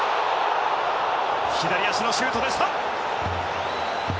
左足のシュートでした。